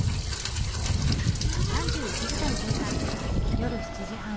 夜７時半。